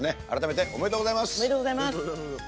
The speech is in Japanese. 改めて、おめでとうございます。